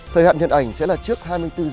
thời hạn nhận ảnh sẽ là trước hai mươi bốn h